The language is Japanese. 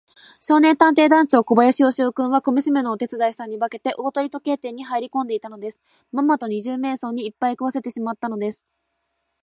少年探偵団長小林芳雄君は、小娘のお手伝いさんに化けて、大鳥時計店にはいりこんでいたのです。まんまと二十面相にいっぱい食わせてしまったのです。